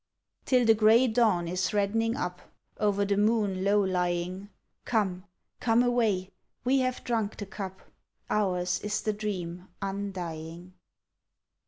Till the gray dawn is redd'ning up, Over the moon low lying. Come, come away we have drunk the cup: Ours is the dream undying!